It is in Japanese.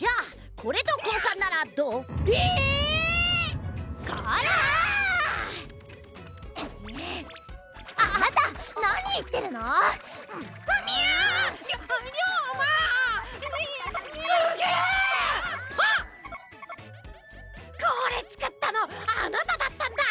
これつくったのあなただったんだ！？